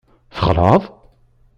Txelɛeḍ?